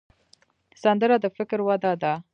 سندره د فکر وده ده